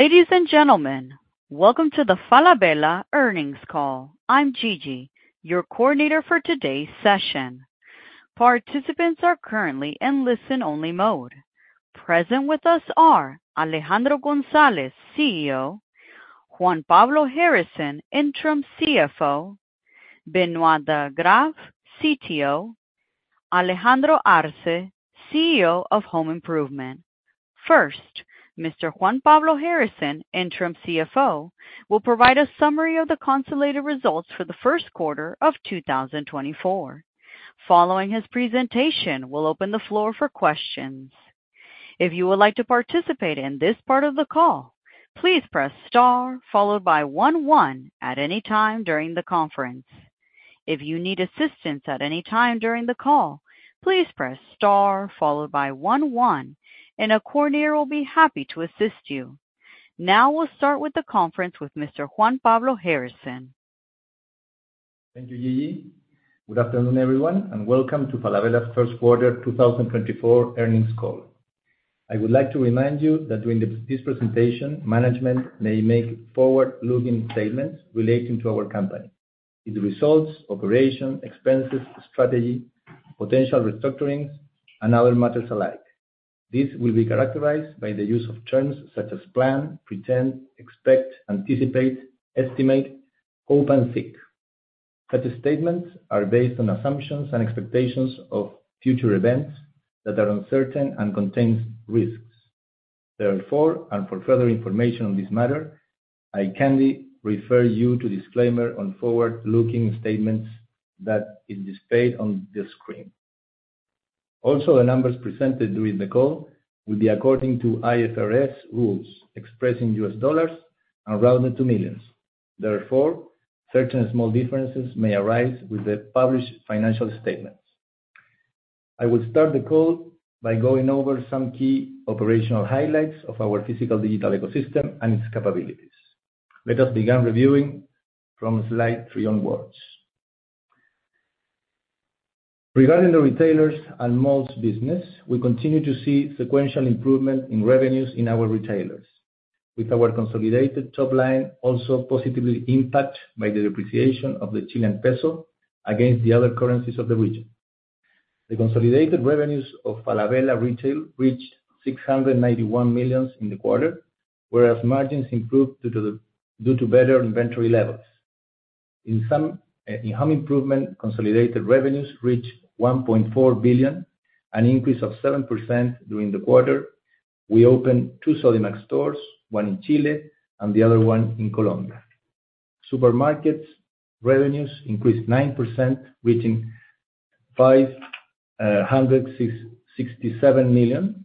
Ladies and gentlemen, welcome to the Falabella Earnings call. I'm Gigi, your coordinator for today's session. Participants are currently in listen-only mode. Present with us are Alejandro González, CEO; Juan Pablo Harrison, interim CFO; Benoit De Grave, CTO; Alejandro Arze, CEO of Home Improvement. First, Mr. Juan Pablo Harrison, interim CFO, will provide a summary of the consolidated results for the first quarter of 2024. Following his presentation, we'll open the floor for questions. If you would like to participate in this part of the call, please press star followed by one one at any time during the conference. If you need assistance at any time during the call, please press star followed by one one, and a coordinator will be happy to assist you. Now we'll start with the conference with Mr. Juan Pablo Harrison. Thank you, Gigi. Good afternoon, everyone, and welcome to Falabella's First Quarter 2024 Earnings Call. I would like to remind you that during this presentation, management may make forward-looking statements relating to our company: its results, operation, expenses, strategy, potential restructurings, and other matters alike. This will be characterized by the use of terms such as plan, pretend, expect, anticipate, estimate, hope, and seek. Such statements are based on assumptions and expectations of future events that are uncertain and contain risks. Therefore, and for further information on this matter, I kindly refer you to the disclaimer on forward-looking statements that is displayed on the screen. Also, the numbers presented during the call will be according to IFRS rules expressing U.S. dollars and rounded to millions. Therefore, certain small differences may arise with the published financial statements. I will start the call by going over some key operational highlights of our physical digital ecosystem and its capabilities. Let us begin reviewing from slide three onwards. Regarding the retailers and malls business, we continue to see sequential improvement in revenues in our retailers, with our consolidated top line also positively impacted by the depreciation of the Chilean peso against the other currencies of the region. The consolidated revenues of Falabella Retail reached $691 million in the quarter, whereas margins improved due to better inventory levels. In home improvement, consolidated revenues reached $1.4 billion, an increase of 7% during the quarter. We opened two Sodimac stores, one in Chile and the other one in Colombia. Supermarkets revenues increased 9%, reaching $567 million.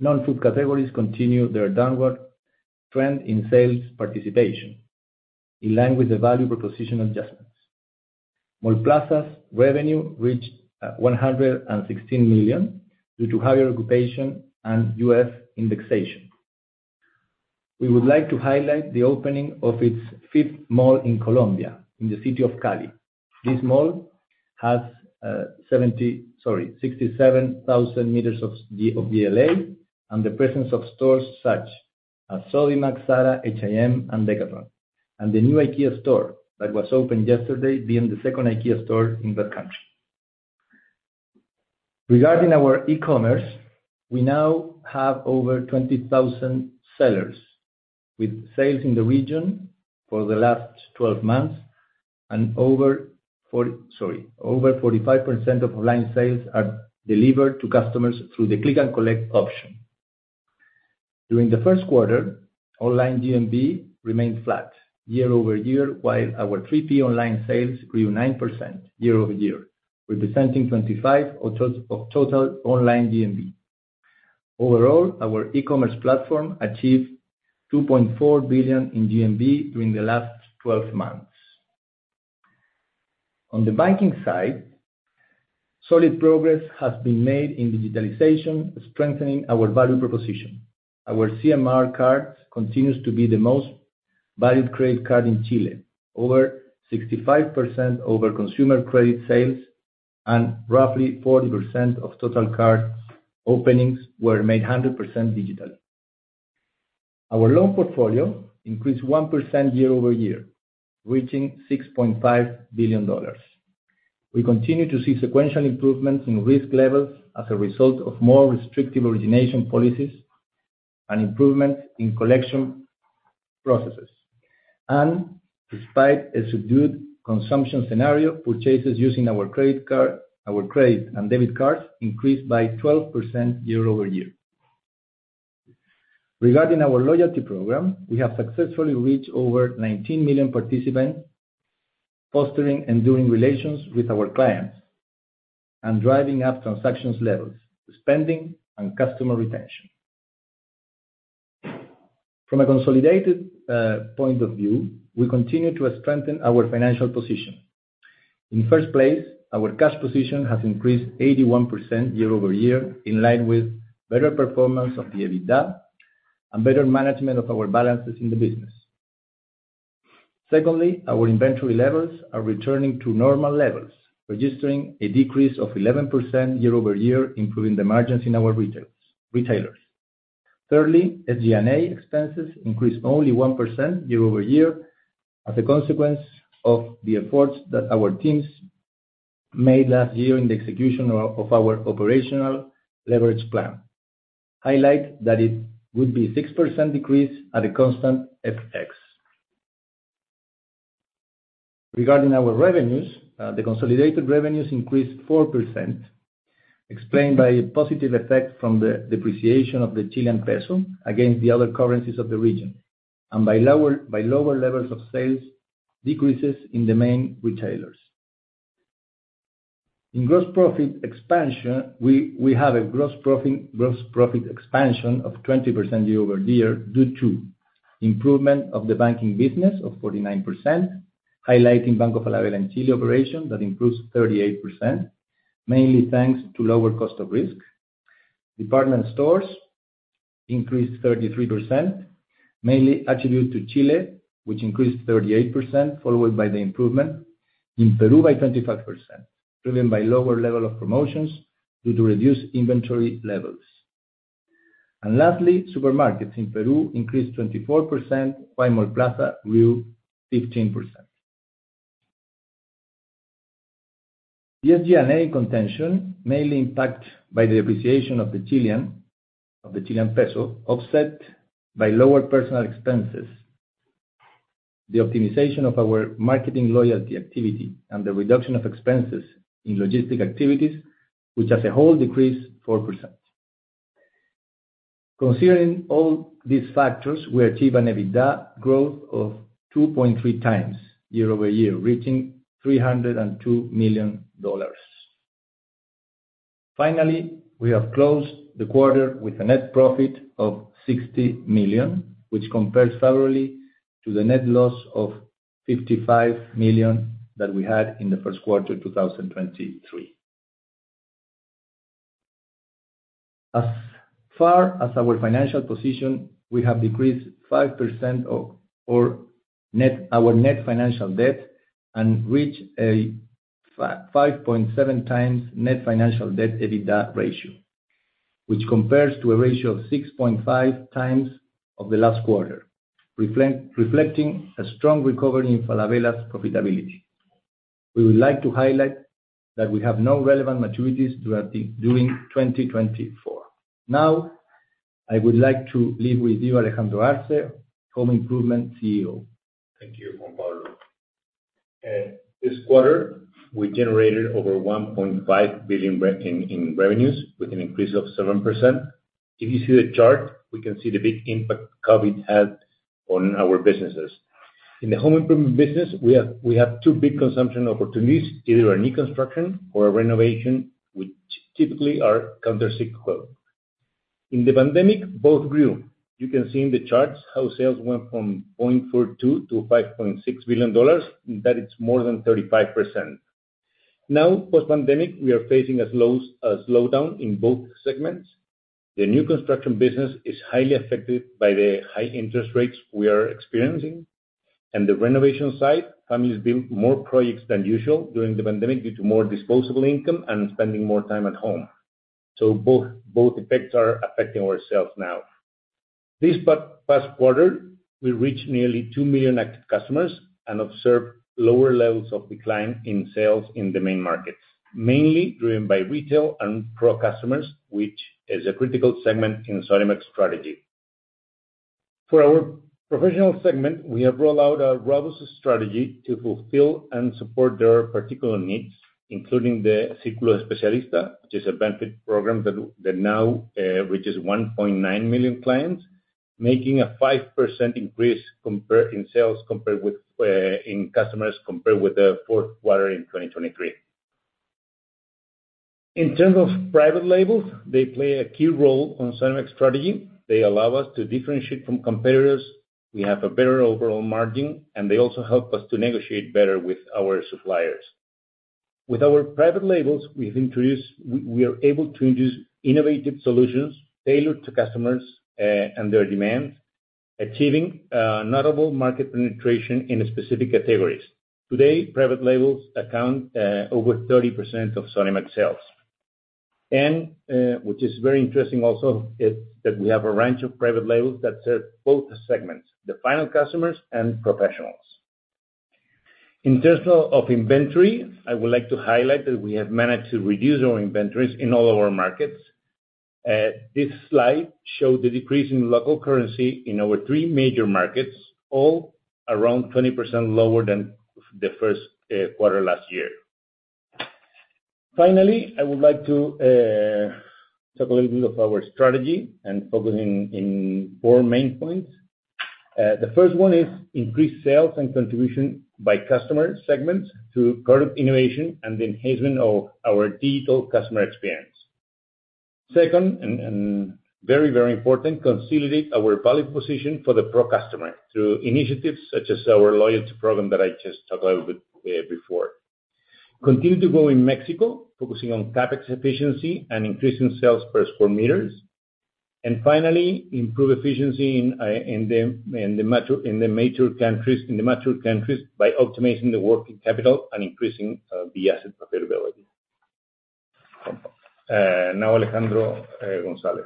Non-food categories continue their downward trend in sales participation, in line with the value proposition adjustments. Mallplaza's revenue reached $116 million due to higher occupation and USD indexation. We would like to highlight the opening of its fifth mall in Colombia, in the city of Cali. This mall has 67,000 meters of GLA and the presence of stores such as Sodimac, Zara, H&M, and Decathlon, and the new IKEA store that was opened yesterday being the second IKEA store in that country. Regarding our e-commerce, we now have over 20,000 sellers with sales in the region for the last 12 months, and over 45% of online sales are delivered to customers through the click-and-collect option. During the first quarter, online GMV remained flat year-over-year, while our 3P online sales grew 9% year-over-year, representing 25% of total online GMV. Overall, our e-commerce platform achieved $2.4 billion in GMV during the last 12 months. On the banking side, solid progress has been made in digitalization, strengthening our value proposition. Our CMR cards continue to be the most valued credit card in Chile, over 65% over consumer credit sales, and roughly 40% of total card openings were made 100% digitally. Our loan portfolio increased 1% year-over-year, reaching $6.5 billion. We continue to see sequential improvements in risk levels as a result of more restrictive origination policies and improvements in collection processes. Despite a subdued consumption scenario, purchases using our credit and debit cards increased by 12% year-over-year. Regarding our loyalty program, we have successfully reached over 19 million participants, fostering enduring relations with our clients and driving up transactions levels, spending, and customer retention. From a consolidated point of view, we continue to strengthen our financial position. In first place, our cash position has increased 81% year-over-year in line with better performance of the EBITDA and better management of our balances in the business. Secondly, our inventory levels are returning to normal levels, registering a decrease of 11% year-over-year, improving the margins in our retailers. Thirdly, SG&A expenses increased only 1% year-over-year as a consequence of the efforts that our teams made last year in the execution of our operational leverage plan. Highlight that it would be a 6% decrease at a constant FX. Regarding our revenues, the consolidated revenues increased 4%, explained by a positive effect from the depreciation of the Chilean peso against the other currencies of the region and by lower levels of sales decreases in the main retailers. In gross profit expansion, we have a gross profit expansion of 20% year-over-year due to improvement of the banking business of 49%, highlighting Banco Falabella in Chile operation that improves 38%, mainly thanks to lower cost of risk. Department stores increased 33%, mainly attributed to Chile, which increased 38% followed by the improvement in Peru by 25%, driven by lower level of promotions due to reduced inventory levels. And lastly, supermarkets in Peru increased 24%, while Mallplaza grew 15%. The SG&A containment, mainly impacted by the depreciation of the Chilean peso, is offset by lower personal expenses, the optimization of our marketing loyalty activity, and the reduction of expenses in logistics activities, which as a whole decreased 4%. Considering all these factors, we achieve an EBITDA growth of 2.3x year-over-year, reaching $302 million. Finally, we have closed the quarter with a net profit of $60 million, which compares favorably to the net loss of $55 million that we had in the first quarter of 2023. As far as our financial position, we have decreased 5% of our net financial debt and reached a 5.7x net financial debt EBITDA ratio, which compares to a ratio of 6.5x of the last quarter, reflecting a strong recovery in Falabella's profitability. We would like to highlight that we have no relevant maturities during 2024. Now, I would like to leave with you, Alejandro Arze, Home Improvement CEO. Thank you, Juan Pablo. This quarter, we generated over $1.5 billion in revenues with an increase of 7%. If you see the chart, we can see the big impact COVID had on our businesses. In the Home Improvement business, we have two big consumption opportunities, either a new construction or a renovation, which typically are countercyclical. In the pandemic, both grew. You can see in the charts how sales went from $4.2 billion-$5.6 billion, that it's more than 35%. Now, post-pandemic, we are facing a slowdown in both segments. The new construction business is highly affected by the high interest rates we are experiencing. The renovation side, families built more projects than usual during the pandemic due to more disposable income and spending more time at home. Both effects are affecting ourselves now. This past quarter, we reached nearly two million active customers and observed lower levels of decline in sales in the main markets, mainly driven by retail and pro customers, which is a critical segment in Sodimac's strategy. For our professional segment, we have rolled out a robust strategy to fulfill and support their particular needs, including the Círculo Especialista, which is a benefit program that now reaches 1.9 million clients, making a 5% increase in sales compared with in customers compared with the fourth quarter in 2023. In terms of private labels, they play a key role in Sodimac's strategy. They allow us to differentiate from competitors. We have a better overall margin, and they also help us to negotiate better with our suppliers. With our private labels, we are able to introduce innovative solutions tailored to customers and their demands, achieving notable market penetration in specific categories. Today, private labels account for over 30% of Sodimac sales. And what is very interesting also is that we have a range of private labels that serve both segments, the final customers and professionals. In terms of inventory, I would like to highlight that we have managed to reduce our inventories in all of our markets. This slide shows the decrease in local currency in over three major markets, all around 20% lower than the first quarter last year. Finally, I would like to talk a little bit of our strategy and focus on four main points. The first one is increased sales and contribution by customer segments through product innovation and the enhancement of our digital customer experience. Second, and very, very important, consolidate our value position for the pro customer through initiatives such as our loyalty program that I just talked a little bit before. Continue to grow in Mexico, focusing on CapEx efficiency and increasing sales per square meter. And finally, improve efficiency in the major countries by optimizing the working capital and increasing the asset profitability. Now, Alejandro González.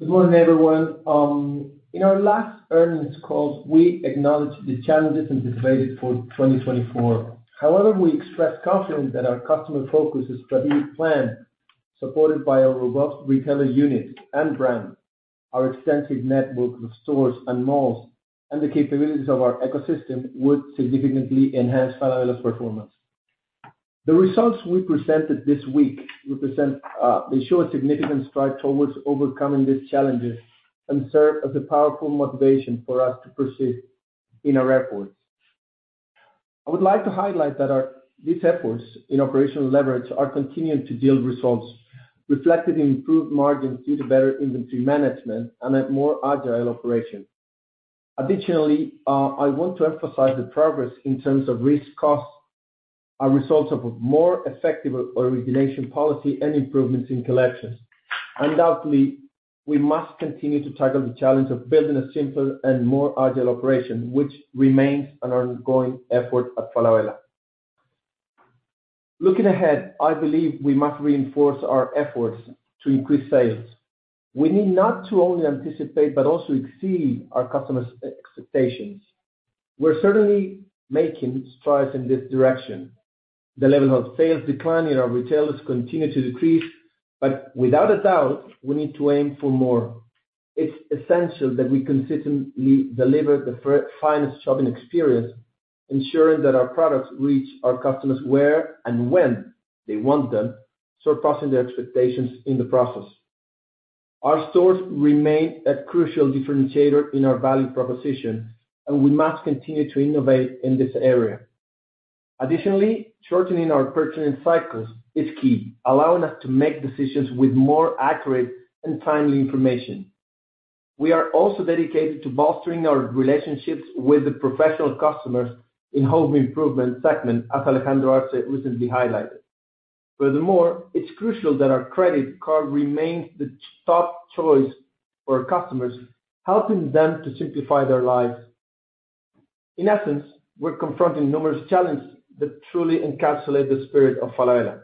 Good morning, everyone. In our last earnings call, we acknowledged the challenges anticipated for 2024. However, we express confidence that our customer-focused strategic plan, supported by our robust retailer units and brand, our extensive network of stores and malls, and the capabilities of our ecosystem would significantly enhance Falabella's performance. The results we presented this week they show a significant stride towards overcoming these challenges and serve as a powerful motivation for us to persist in our efforts. I would like to highlight that these efforts in operational leverage are continuing to yield results, reflecting improved margins due to better inventory management and a more agile operation. Additionally, I want to emphasize the progress in terms of risk-cost, a result of more effective origination policy and improvements in collections. Undoubtedly, we must continue to tackle the challenge of building a simpler and more agile operation, which remains an ongoing effort at Falabella. Looking ahead, I believe we must reinforce our efforts to increase sales. We need not to only anticipate but also exceed our customers' expectations. We're certainly making strides in this direction. The level of sales decline in our retailers continues to decrease, but without a doubt, we need to aim for more. It's essential that we consistently deliver the finest shopping experience, ensuring that our products reach our customers where and when they want them, surpassing their expectations in the process. Our stores remain a crucial differentiator in our value proposition, and we must continue to innovate in this area. Additionally, shortening our purchasing cycles is key, allowing us to make decisions with more accurate and timely information. We are also dedicated to fostering our relationships with the professional customers in Home Improvement segment, as Alejandro Arze recently highlighted. Furthermore, it's crucial that our credit card remains the top choice for our customers, helping them to simplify their lives. In essence, we're confronting numerous challenges that truly encapsulate the spirit of Falabella.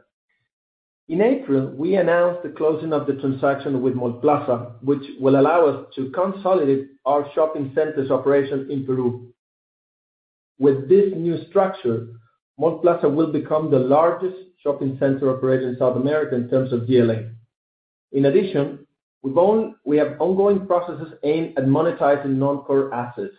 In April, we announced the closing of the transaction with Mallplaza, which will allow us to consolidate our shopping center's operation in Peru. With this new structure, Mallplaza will become the largest shopping center operation in South America in terms of GLA. In addition, we have ongoing processes aimed at monetizing non-core assets.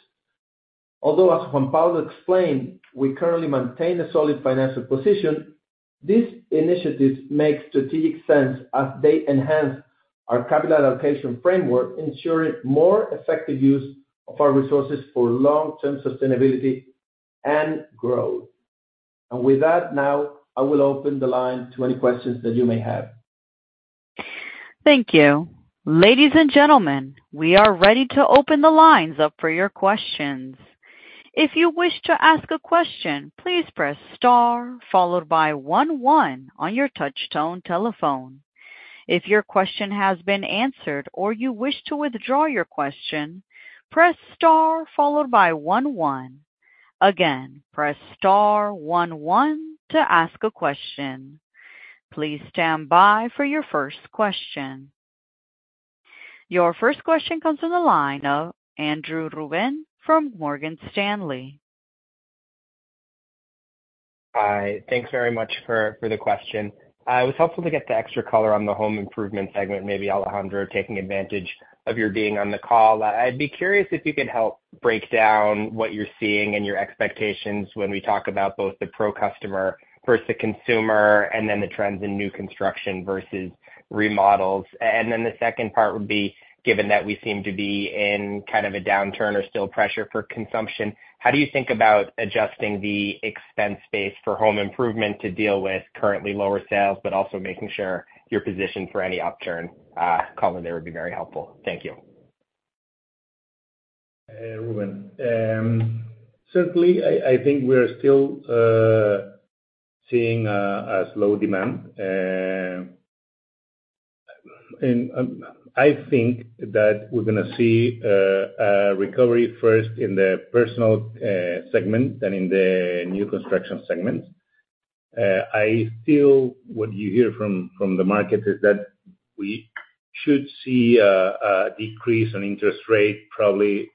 Although, as Juan Pablo explained, we currently maintain a solid financial position. This initiative makes strategic sense as they enhance our capital allocation framework, ensuring more effective use of our resources for long-term sustainability and growth. With that, now, I will open the line to any questions that you may have. Thank you. Ladies and gentlemen, we are ready to open the lines up for your questions. If you wish to ask a question, please press star followed by one, one on your touch-tone telephone. If your question has been answered or you wish to withdraw your question, press star followed by one, one. Again, press star, one, one to ask a question. Please stand by for your first question. Your first question comes on the line of Andrew Ruben from Morgan Stanley. Hi. Thanks very much for the question. It was helpful to get the extra color on the Home Improvement segment, maybe Alejandro, taking advantage of your being on the call. I'd be curious if you could help break down what you're seeing and your expectations when we talk about both the pro customer versus the consumer, and then the trends in new construction versus remodels. And then the second part would be, given that we seem to be in kind of a downturn or still pressure for consumption, how do you think about adjusting the expense base for home improvement to deal with currently lower sales, but also making sure you're positioned for any upturn? Color there would be very helpful. Thank you. Certainly, I think we are still seeing a slow demand. I think that we're going to see a recovery first in the personal segment, then in the new construction segments. What you hear from the market is that we should see a decrease in interest rate. Probably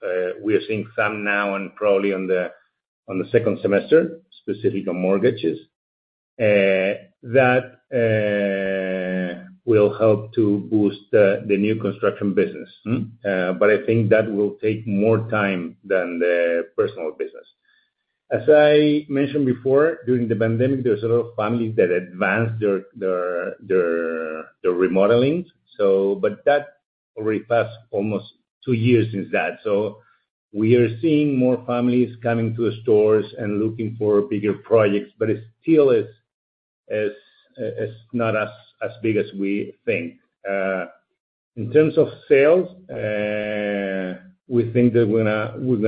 we are seeing some now and probably on the second semester, specifically on mortgages. That will help to boost the new construction business. I think that will take more time than the personal business. As I mentioned before, during the pandemic, there were a lot of families that advanced their remodeling. That already passed almost two years since that. We are seeing more families coming to the stores and looking for bigger projects, but it still is not as big as we think. In terms of sales, we think that we're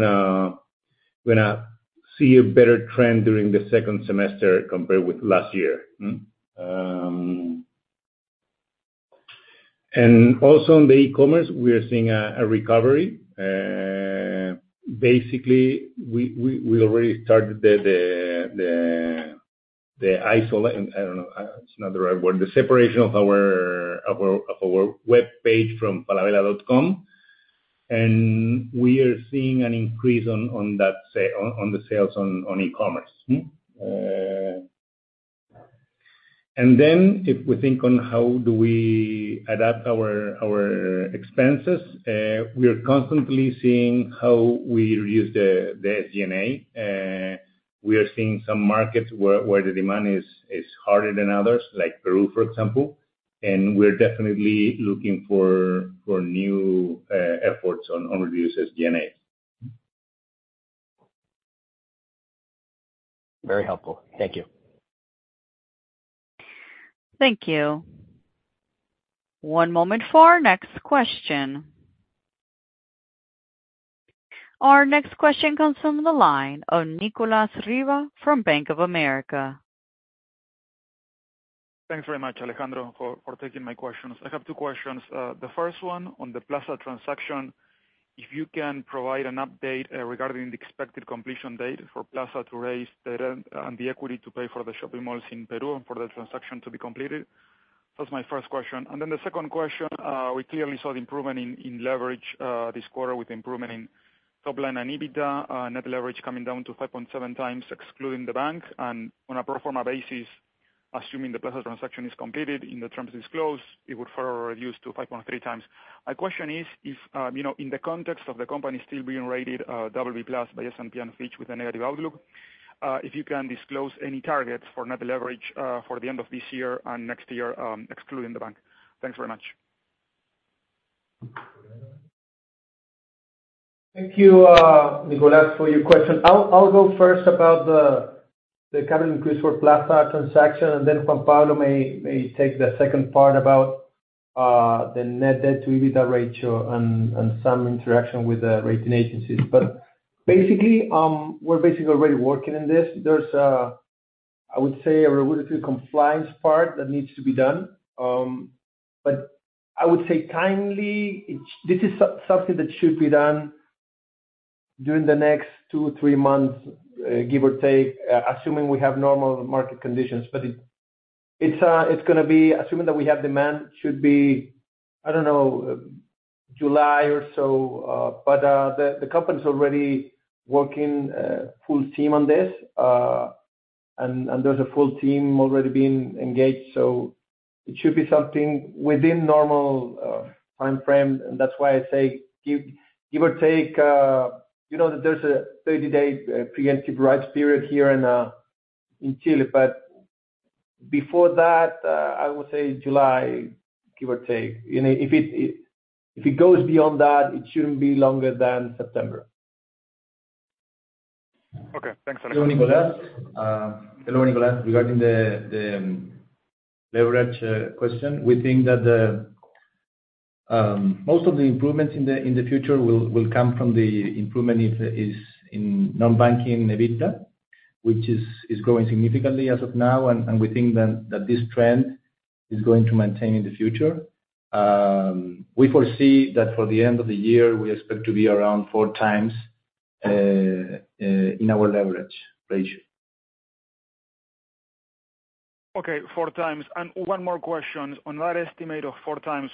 going to see a better trend during the second semester compared with last year. Also in the e-commerce, we are seeing a recovery. Basically, we already started the isolation I don't know. It's not the right word. The separation of our web page from falabella.com. And we are seeing an increase on the sales on e-commerce. And then if we think on how do we adapt our expenses, we are constantly seeing how we reduce the SG&A. We are seeing some markets where the demand is harder than others, like Peru, for example. And we're definitely looking for new efforts on reducing SG&A. Very helpful. Thank you. Thank you. One moment for our next question. Our next question comes from the line of Nicolas Riva from Bank of America. Thanks very much, Alejandro, for taking my questions. I have two questions. The first one on the Plaza transaction. If you can provide an update regarding the expected completion date for Plaza to raise the equity to pay for the shopping malls in Peru and for the transaction to be completed? That's my first question. Then the second question, we clearly saw the improvement in leverage this quarter with improvement in top-line and EBITDA, net leverage coming down to 5.7x, excluding the bank. And on a pro forma basis, assuming the Plaza transaction is completed in the terms disclosed, it would further reduce to 5.3x. My question is, in the context of the company still being rated BB+ by S&P and Fitch with a negative outlook, if you can disclose any targets for net leverage for the end of this year and next year, excluding the bank. Thanks very much. Thank you, Nicolas, for your question. I'll go first about the capital increase for Plaza transaction, and then Juan Pablo may take the second part about the net debt to EBITDA ratio and some interaction with the rating agencies. But basically, we're basically already working on this. There's, I would say, a regulatory compliance part that needs to be done. But I would say, timely, this is something that should be done during the next two to three months, give or take, assuming we have normal market conditions. But it's going to be assuming that we have demand, should be, I don't know, July or so. But the company is already working full team on this. And there's a full team already being engaged. So it should be something within normal time frame. And that's why I say, give or take, there's a 30-day preemptive rights period here in Chile. Before that, I would say July, give or take. If it goes beyond that, it shouldn't be longer than September. Okay. Thanks, Alejandro. Hello, Nicolas. Hello, Nicolas. Regarding the leverage question, we think that most of the improvements in the future will come from the improvement in non-banking EBITDA, which is growing significantly as of now. We think that this trend is going to maintain in the future. We foresee that for the end of the year, we expect to be around 4x in our leverage ratio. Okay. 4x. One more question. On that estimate of 4x,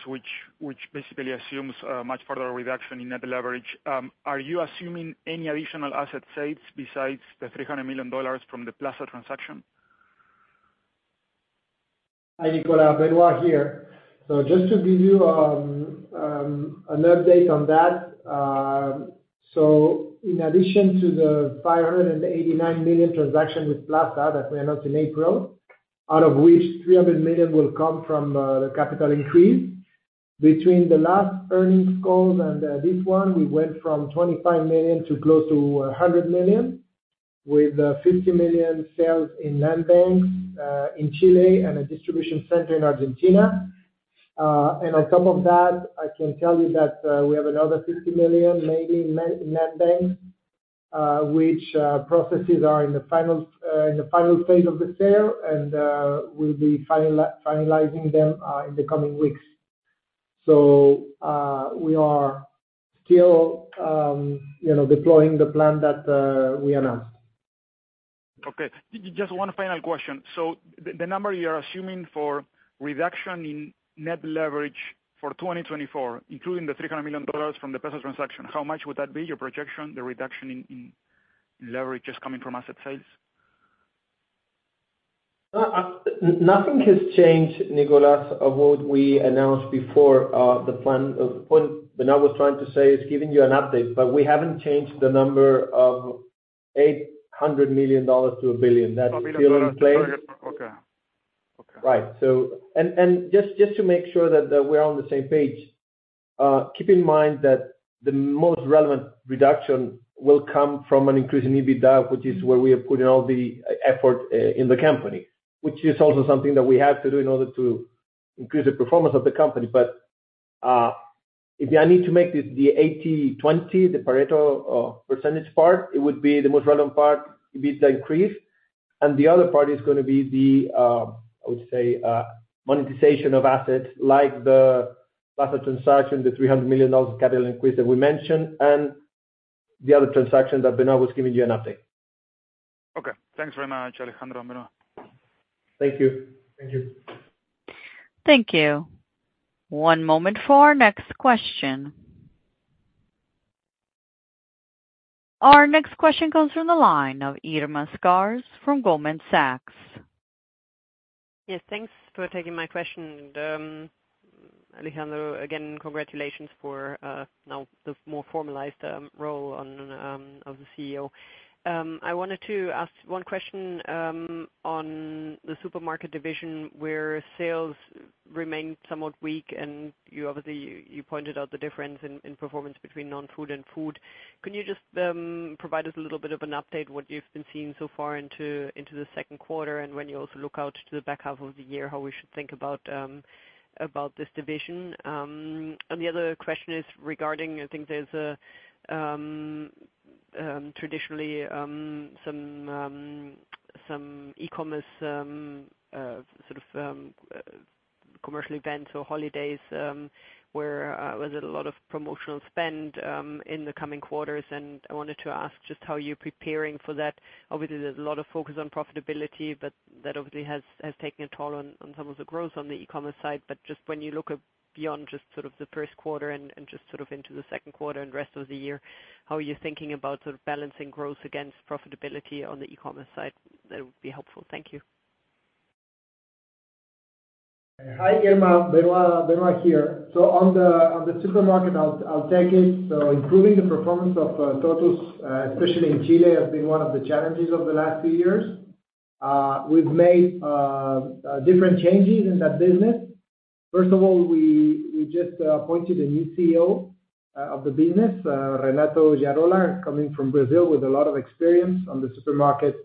which basically assumes a much further reduction in net leverage, are you assuming any additional asset sales besides the $300 million from the Plaza transaction? Hi, Nicolas. Benoit here. So just to give you an update on that. So in addition to the $589 million transaction with Plaza that we announced in April, out of which $300 million will come from the capital increase, between the last earnings calls and this one, we went from $25 million to close to $100 million, with $50 million sales in land banks in Chile and a distribution center in Argentina. And on top of that, I can tell you that we have another $50 million made in land banks, which processes are in the final phase of the sale, and we'll be finalizing them in the coming weeks. So we are still deploying the plan that we announced. Okay. Just one final question. So the number you are assuming for reduction in net leverage for 2024, including the $300 million from the Plaza transaction, how much would that be your projection, the reduction in leverage just coming from asset sales? Nothing has changed, Nicolas, of what we announced before the plan. The point Benoit was trying to say is giving you an update, but we haven't changed the number of $800 million-$1 billion. That's still in place. $1 billion. Okay. Okay. Right. And just to make sure that we're on the same page, keep in mind that the most relevant reduction will come from an increase in EBITDA, which is where we are putting all the effort in the company, which is also something that we have to do in order to increase the performance of the company. But if I need to make this the 80/20, the Pareto percentage part, it would be the most relevant part, EBITDA increase. And the other part is going to be the, I would say, monetization of assets like the Plaza transaction, the $300 million capital increase that we mentioned, and the other transaction that Benoit was giving you an update. Okay. Thanks very much, Alejandro and Benoit. Thank you. Thank you. Thank you. One moment for our next question. Our next question comes from the line of Irma Sgarz from Goldman Sachs. Yes. Thanks for taking my question. Alejandro, again, congratulations for now the more formalized role of the CEO. I wanted to ask one question on the supermarket division where sales remain somewhat weak. And obviously, you pointed out the difference in performance between non-food and food. Can you just provide us a little bit of an update what you've been seeing so far into the second quarter and when you also look out to the back half of the year, how we should think about this division? And the other question is regarding, I think there's traditionally some e-commerce sort of commercial events or holidays where there's a lot of promotional spend in the coming quarters. And I wanted to ask just how you're preparing for that? Obviously, there's a lot of focus on profitability, but that obviously has taken a toll on some of the growth on the e-commerce side. But just when you look beyond just sort of the first quarter and just sort of into the second quarter and rest of the year, how are you thinking about sort of balancing growth against profitability on the e-commerce side? That would be helpful. Thank you. Hi, Irma. Benoit here. So on the supermarket, I'll take it. So improving the performance of Tottus, especially in Chile, has been one of the challenges of the last few years. We've made different changes in that business. First of all, we just appointed a new CEO of the business, Renato Giarola, coming from Brazil with a lot of experience on the supermarket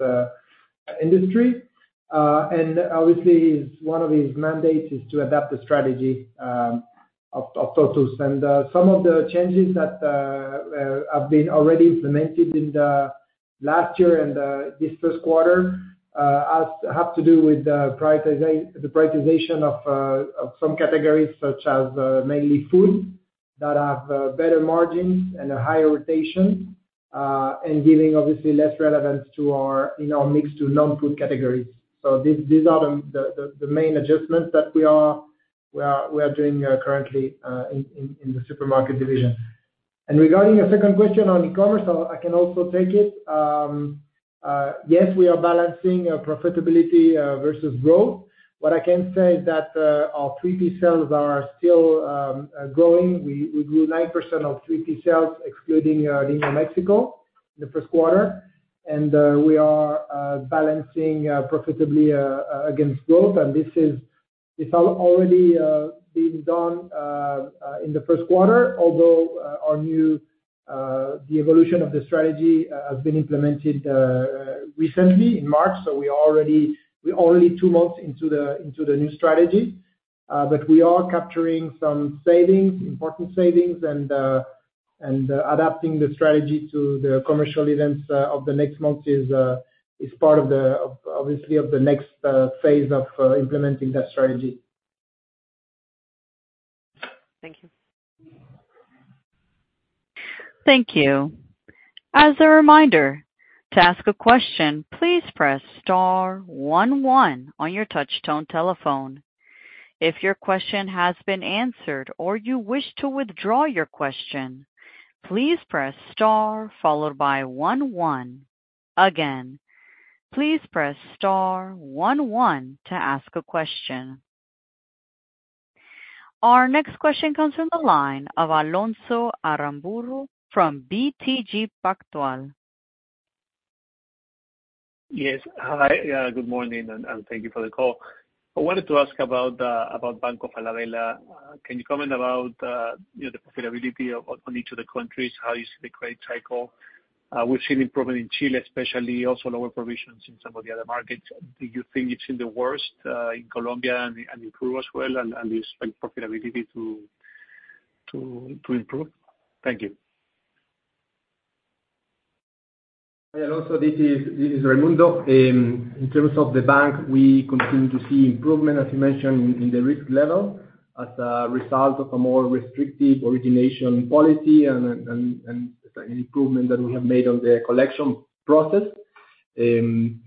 industry. And obviously, one of his mandates is to adapt the strategy of Tottus. And some of the changes that have been already implemented in the last year and this first quarter have to do with the prioritization of some categories such as mainly food that have better margins and a higher rotation and giving, obviously, less relevance to our mix to non-food categories. So these are the main adjustments that we are doing currently in the supermarket division. And regarding the second question on e-commerce, I can also take it. Yes, we are balancing profitability versus growth. What I can say is that our 3P sales are still growing. We grew 9% of 3P sales, excluding Mexico, in the first quarter. We are balancing profitably against growth. This has already been done in the first quarter, although the evolution of the strategy has been implemented recently in March. We are only two months into the new strategy. We are capturing some savings, important savings, and adapting the strategy to the commercial events of the next month is part of, obviously, the next phase of implementing that strategy. Thank you. Thank you. As a reminder, to ask a question, please press star, one, one, on your touch-tone telephone. If your question has been answered or you wish to withdraw your question, please press star followed by one, one. Again, please press star, one, one to ask a question. Our next question comes from the line of Alonso Aramburu from BTG Pactual. Yes. Hi. Good morning. Thank you for the call. I wanted to ask about Banco Falabella. Can you comment about the profitability on each of the countries, how you see the credit cycle? We've seen improvement in Chile, especially, also lower provisions in some of the other markets. Do you think you've seen the worst in Colombia and improve as well, and you expect profitability to improve? Thank you. Hi, Alonso. This is Raimundo. In terms of the bank, we continue to see improvement, as you mentioned, in the risk level as a result of a more restrictive origination policy and an improvement that we have made on the collection process. In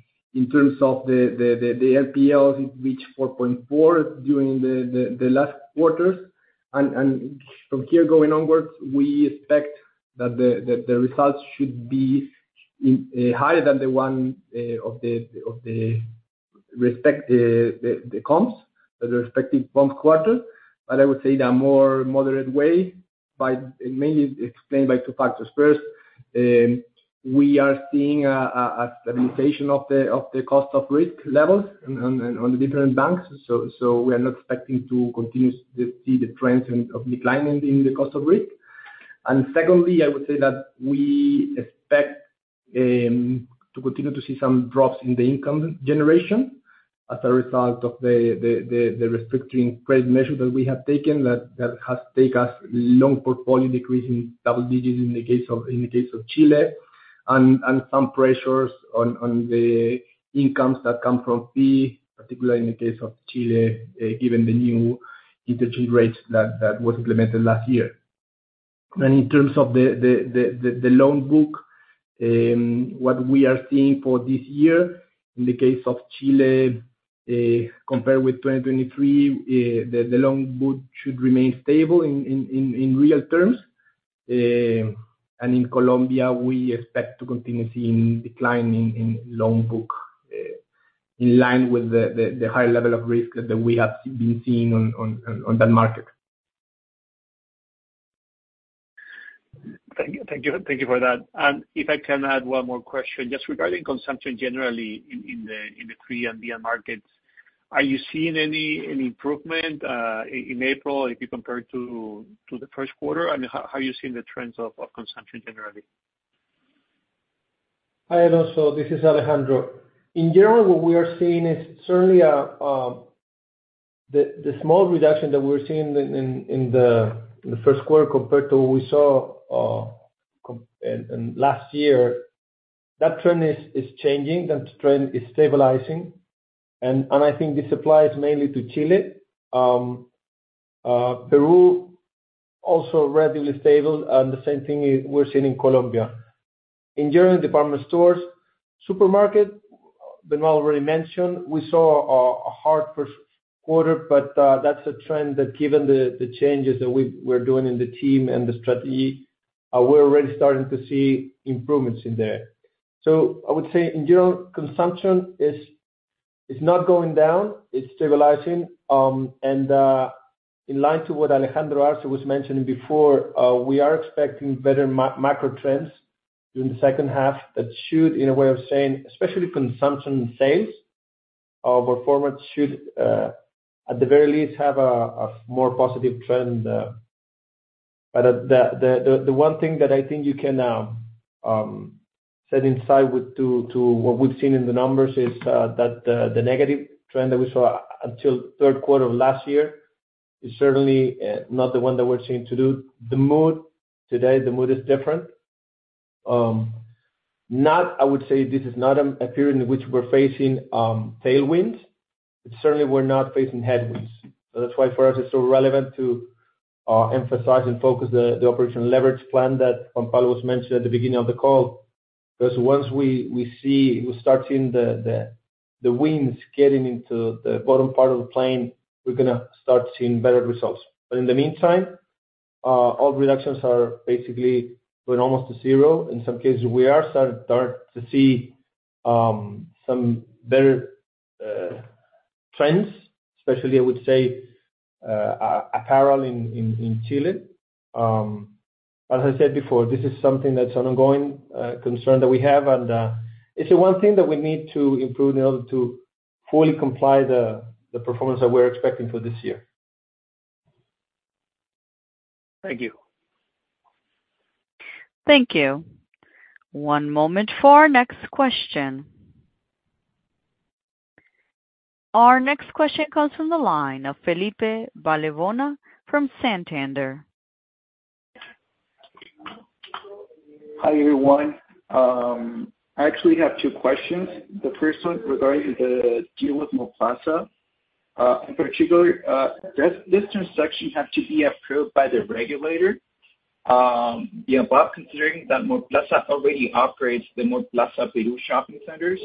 terms of the NPLs, it reached 4.4% during the last quarters. From here going onwards, we expect that the results should be higher than the one of the comps, the respective bump quarter. I would say in a more moderate way, mainly explained by two factors. First, we are seeing a stabilization of the cost of risk levels on the different banks. We are not expecting to continue to see the trends of declining in the cost of risk. Secondly, I would say that we expect to continue to see some drops in the income generation as a result of the restrictive credit measures that we have taken that has taken our loan portfolio decrease in double digits in the case of Chile, and some pressures on the incomes that come from fees, particularly in the case of Chile, given the new interchange rates that were implemented last year. In terms of the loan book, what we are seeing for this year in the case of Chile, compared with 2023, the loan book should remain stable in real terms. In Colombia, we expect to continue seeing decline in loan book in line with the higher level of risk that we have been seeing on that market. Thank you. Thank you for that. And if I can add one more question, just regarding consumption generally in the three and beyond markets, are you seeing any improvement in April if you compare to the first quarter? I mean, how are you seeing the trends of consumption generally? Hi, Alonso. This is Alejandro. In general, what we are seeing is certainly the small reduction that we're seeing in the first quarter compared to what we saw last year. That trend is changing. That trend is stabilizing. And I think this applies mainly to Chile. Peru also relatively stable. And the same thing we're seeing in Colombia. In general, in department stores, supermarket, Benoit already mentioned, we saw a hard first quarter. But that's a trend that, given the changes that we're doing in the team and the strategy, we're already starting to see improvements in there. So I would say, in general, consumption is not going down. It's stabilizing. In line with what Alejandro Arze was mentioning before, we are expecting better macro trends during the second half that should, in a way of saying, especially consumption sales of our format should, at the very least, have a more positive trend. But the one thing that I think you can set aside to what we've seen in the numbers is that the negative trend that we saw until third quarter of last year is certainly not the one that we're seeing today. Today, the mood is different. I would say this is not a period in which we're facing tailwinds. Certainly, we're not facing headwinds. So that's why, for us, it's so relevant to emphasize and focus the operational leverage plan that Juan Pablo was mentioning at the beginning of the call. Because once we start seeing the winds getting into the bottom part of the plane, we're going to start seeing better results. But in the meantime, all reductions are basically going almost to zero. In some cases, we are starting to see some better trends, especially, I would say, apparel in Chile. But as I said before, this is something that's an ongoing concern that we have. And it's the one thing that we need to improve in order to fully comply the performance that we're expecting for this year. Thank you. Thank you. One moment for our next question. Our next question comes from the line of Felipe Ballevona from Santander. Hi, everyone. I actually have two questions. The first one regarding the deal with Mallplaza. In particular, does this transaction have to be approved by the regulator? The above, considering that Mallplaza already operates the Mallplaza Peru shopping centers,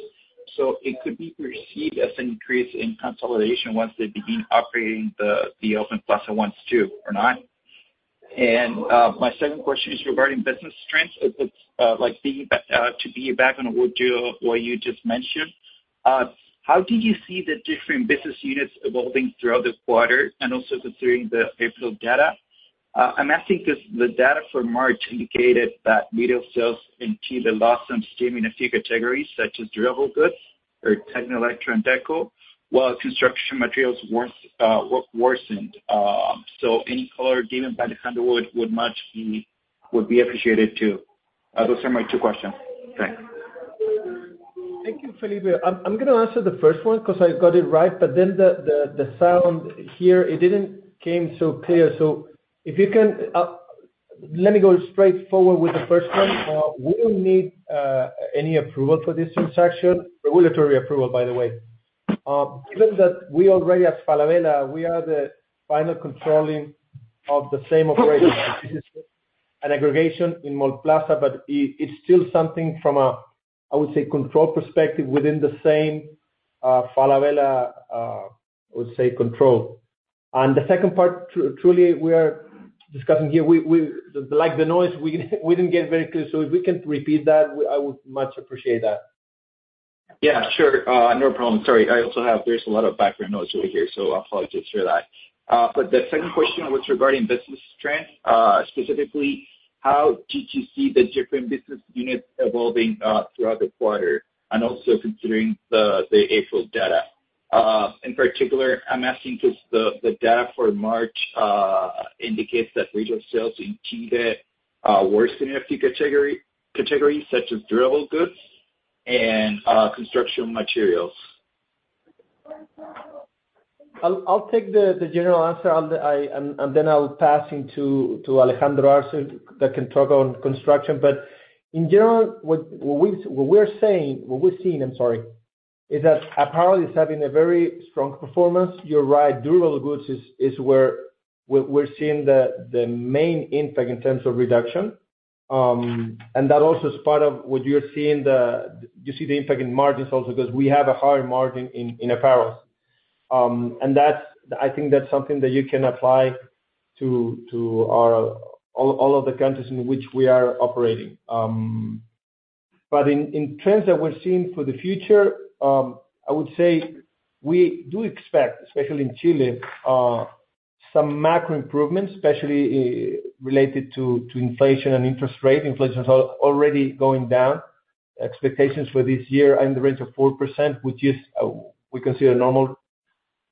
so it could be perceived as an increase in consolidation once they begin operating the Open Plaza ones too or not? And my second question is regarding business trends. To be back on what you just mentioned, how did you see the different business units evolving throughout the quarter? And also considering the April data, I'm asking because the data for March indicated that retail sales in Chile lost some steam in a few categories such as durable goods or techno, electronics, decor, while construction materials worsened. So any color given by Alejandro would much be appreciated too. Those are my two questions. Thanks. Thank you, Felipe. I'm going to answer the first one because I got it right. But then the sound here, it didn't come so clear. So if you can let me go straightforward with the first one. We don't need any approval for this transaction, regulatory approval, by the way. Given that we already, as Falabella, we are the final controlling of the same operation. This is an aggregation in Mallplaza, but it's still something from a, I would say, control perspective within the same Falabella, I would say, control. And the second part, truly, we are discussing here. Like the noise, we didn't get very clear. So if we can repeat that, I would much appreciate that. Yeah, sure. No problem. Sorry. There's a lot of background noise over here, so I apologize for that. But the second question was regarding business trends. Specifically, how did you see the different business units evolving throughout the quarter? And also considering the April data. In particular, I'm asking because the data for March indicates that retail sales in Chile worsened in a few categories such as durable goods and construction materials. I'll take the general answer, and then I'll pass into Alejandro Arze that can talk on construction. But in general, what we are saying, what we're seeing, I'm sorry, is that apparently, it's having a very strong performance. You're right. Durable goods is where we're seeing the main impact in terms of reduction. And that also is part of what you're seeing. You see the impact in margins also because we have a higher margin in apparels. And I think that's something that you can apply to all of the countries in which we are operating. But in trends that we're seeing for the future, I would say we do expect, especially in Chile, some macro improvements, especially related to inflation and interest rate. Inflation is already going down. Expectations for this year are in the range of 4%, which we consider normal.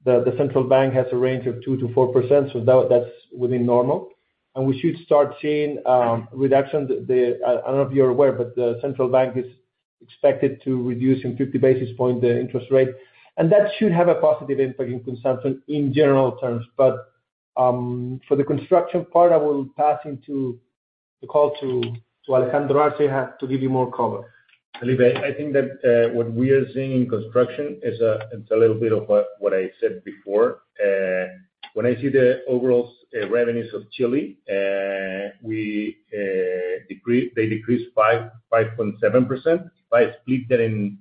The central bank has a range of 2%-4%, so that's within normal. We should start seeing reduction. I don't know if you're aware, but the central bank is expected to reduce in 50 basis points the interest rate. That should have a positive impact in consumption in general terms. But for the construction part, I will pass into the call to Alejandro Arze to give you more cover. Felipe, I think that what we are seeing in construction is a little bit of what I said before. When I see the overall revenues of Chile, they decreased 5.7%. If I split that in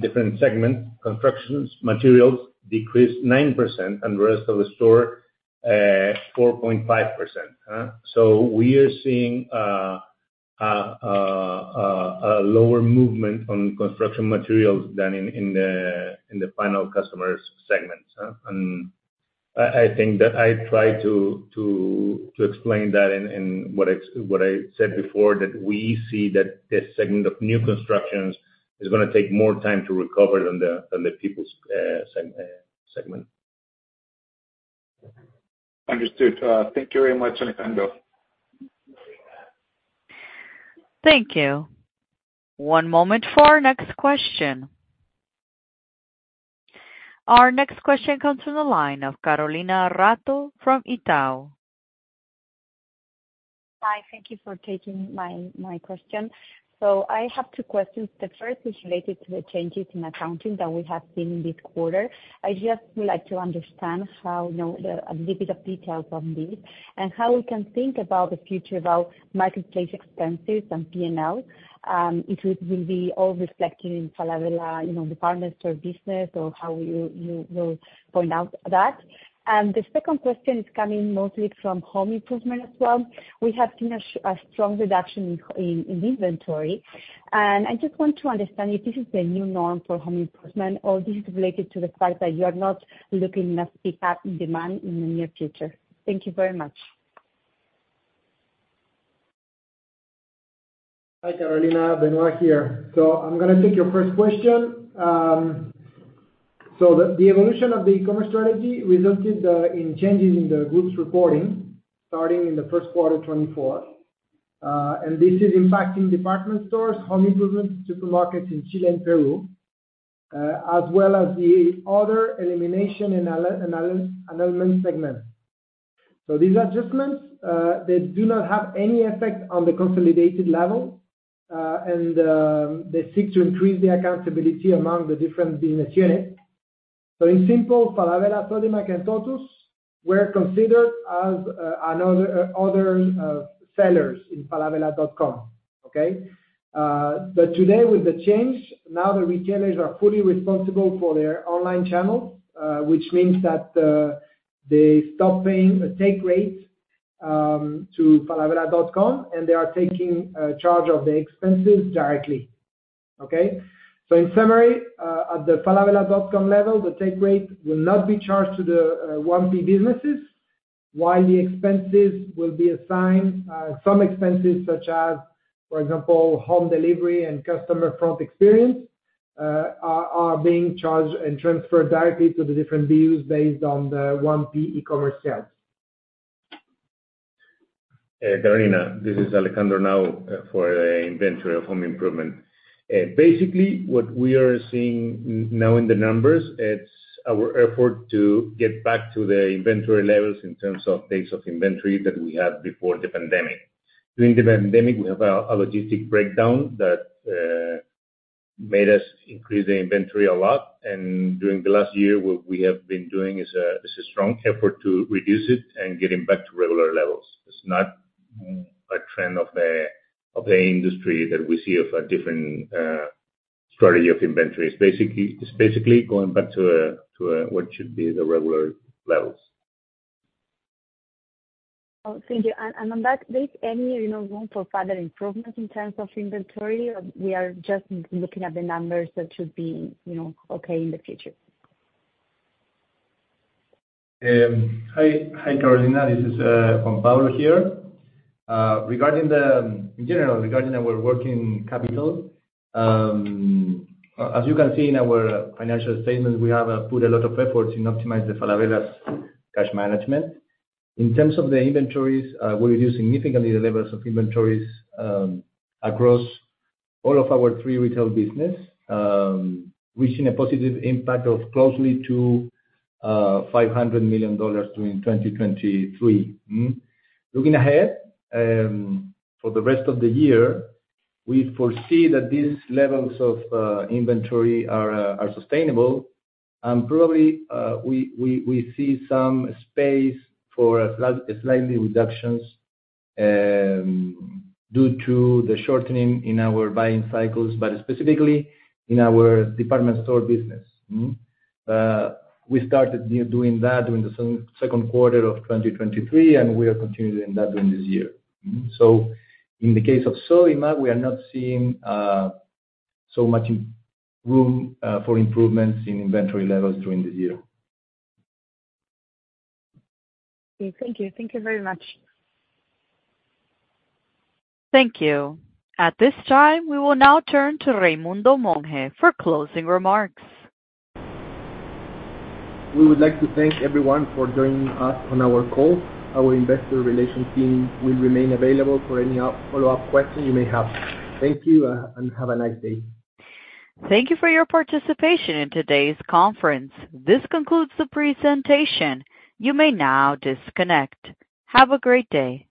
different segments, construction materials decreased 9%, and the rest of the store, 4.5%. So we are seeing a lower movement on construction materials than in the final customer segments. And I think that I tried to explain that in what I said before, that we see that this segment of new constructions is going to take more time to recover than the people's segment. Understood. Thank you very much, Alejandro. Thank you. One moment for our next question. Our next question comes from the line of Carolina Ratto from Itaú. Hi. Thank you for taking my question. So I have two questions. The first is related to the changes in accounting that we have seen in this quarter. I just would like to understand a little bit of details on this and how we can think about the future about marketplace expenses and P&L, if it will be all reflected in Falabella departments or business or how you will point out that? And the second question is coming mostly from home improvement as well. We have seen a strong reduction in inventory. And I just want to understand if this is the new norm for Home Improvement, or this is related to the fact that you are not looking enough to pick up demand in the near future? Thank you very much. Hi, Carolina. Benoit here. So I'm going to take your first question. The evolution of the e-commerce strategy resulted in changes in the goods reporting starting in the first quarter, 2024. And this is impacting department stores, home improvement, supermarkets in Chile and Peru, as well as the other elimination and element segments. These adjustments, they do not have any effect on the consolidated level, and they seek to increase the accountability among the different business units. In simple, Falabella, Sodimac, and Tottus were considered as other sellers in falabella.com, okay? But today, with the change, now the retailers are fully responsible for their online channels, which means that they stop paying a take rate to falabella.com, and they are taking charge of the expenses directly, okay? In summary, at the falabella.com level, the take rate will not be charged to the 1P businesses, while the expenses will be assigned some expenses such as, for example, home delivery and customer front experience are being charged and transferred directly to the different BUs based on the 1P e-commerce sales. Carolina, this is Alejandro now for the inventory of Home Improvement. Basically, what we are seeing now in the numbers, it's our effort to get back to the inventory levels in terms of days of inventory that we had before the pandemic. During the pandemic, we had a logistics breakdown that made us increase the inventory a lot. During the last year, what we have been doing is a strong effort to reduce it and getting back to regular levels. It's not a trend of the industry that we see of a different strategy of inventory. It's basically going back to what should be the regular levels. Oh, thank you. And on that, there is any room for further improvement in terms of inventory, or we are just looking at the numbers that should be okay in the future? Hi, Carolina. This is Juan Pablo here. In general, regarding our working capital, as you can see in our financial statements, we have put a lot of efforts in optimizing Falabella's cash management. In terms of the inventories, we reduced significantly the levels of inventories across all of our three retail businesses, reaching a positive impact of close to $500 million during 2023. Looking ahead for the rest of the year, we foresee that these levels of inventory are sustainable. Probably, we see some space for slight reductions due to the shortening in our buying cycles, but specifically in our department store business. We started doing that during the second quarter of 2023, and we are continuing that during this year. So in the case of Sodimac, we are not seeing so much room for improvements in inventory levels during this year. Okay. Thank you. Thank you very much. Thank you. At this time, we will now turn to Raimundo Monge for closing remarks. We would like to thank everyone for joining us on our call. Our investor relations team will remain available for any follow-up questions you may have. Thank you, and have a nice day. Thank you for your participation in today's conference. This concludes the presentation. You may now disconnect. Have a great day.